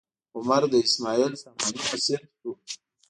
عمر د اسماعیل ساماني اسیر شو.